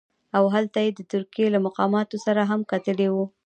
او هلته یې د ترکیې له مقاماتو سره هم کتلي وو.